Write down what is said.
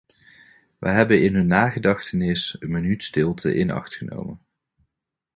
Wij hebben in hun nagedachtenis een minuut stilte in acht genomen.